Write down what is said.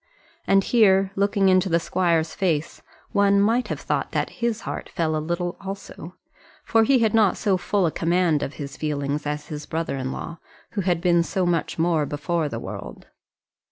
And here, looking into the squire's face, one might have thought that his heart fell a little also; for he had not so full a command of his feelings as his brother in law, who had been so much more before the world.